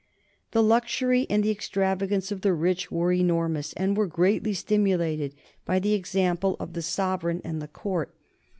The luxury and the extravagance of the rich were enormous, and were greatly stimulated by the example of the sovereign and the Court.